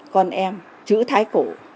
con em chữ thái cổ